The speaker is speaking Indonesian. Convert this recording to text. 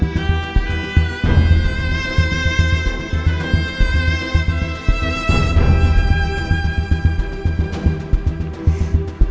kamu harus atuh